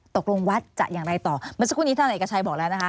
ตกลงวัดจะอย่างไรต่อเมื่อสักครู่นี้ท่านเอกชัยบอกแล้วนะคะ